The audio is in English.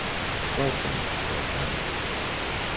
Welcome, dear friends.